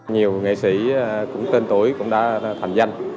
nhiều nghệ sĩ tên tuổi cũng đã thành danh